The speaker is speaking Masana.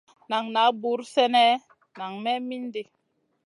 Nan na buur sènè nang may mindi.